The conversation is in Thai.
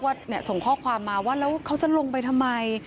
ส่งข้อความมาว่าแล้วเขาจะลงไปทำไม